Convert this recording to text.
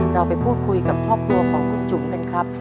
เราไปพูดคุยกับครอบครัวของคุณจุ๋มกันครับ